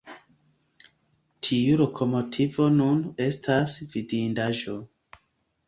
Tiu lokomotivo nun estas vidindaĵo.